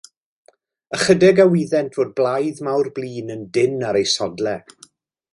Ychydig a wyddent fod blaidd mawr blin yn dynn ar eu sodlau.